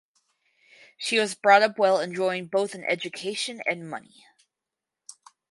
She was brought up well enjoying both an education and money.